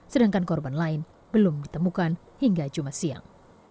sedangkan korban lain belum ditemukan hingga jumat siang